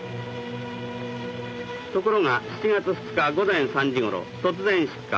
ところが７月２日午前３時ごろ突然出火。